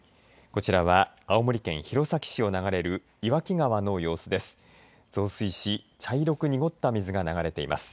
こちらは青森県弘前市を流れる岩木川の様子です。